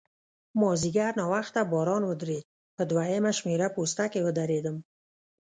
مازیګر ناوخته باران ودرېد، په دوهمه شمېره پوسته کې ودرېدم.